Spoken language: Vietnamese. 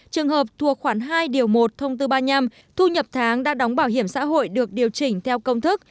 trường hợp thuộc khoảng hai điều một thông tư ba mươi năm thu nhập tháng đã đóng bảo hiểm xã hội được điều chỉnh theo công thức